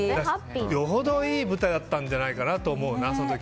よほどいい舞台だったんじゃないかなと思うな、その時。